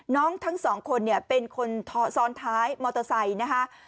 น้องทั้งสองคนเป็นคนซ้อนท้ายมอเตอร์ไซต์